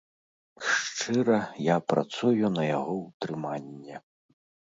Шчыра, я працую на яго ўтрыманне.